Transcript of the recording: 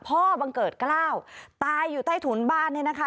บังเกิดกล้าวตายอยู่ใต้ถุนบ้านเนี่ยนะคะ